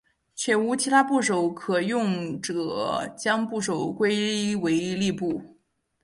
且无其他部首可用者将部首归为立部。